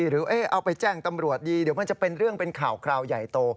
หรือเอาไปแจ้งตำรวจดีเดี๋ยวมันจะเป็นเรื่องเป็นข่าวคราวใหญ่โต